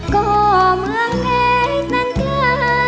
ก่อเมืองในตันไกล